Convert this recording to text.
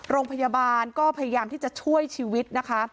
โรงพยาบาลก็พยายามที่จะช่วยชีวิตนะคะ